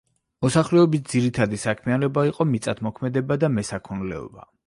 მოსახლეობის ძირითადი საქმიანობა იყო მიწათმოქმედება და მესაქონლეობა.